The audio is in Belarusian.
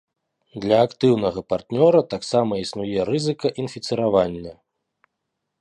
Для актыўнага партнёра таксама існуе рызыка інфіцыравання.